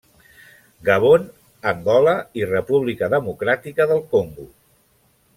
Gabon, Angola i República Democràtica del Congo.